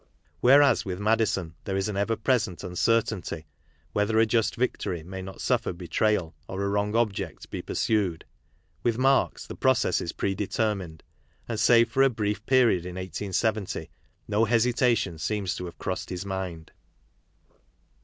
Whereas with Madison there is an ever present uncertainty whether a just victory may not suffer betrayal, or a wrong object be pursued, with Marx the process is pre determined and, save for a brief period in 1870, no hesitation seems to have crossed his mind.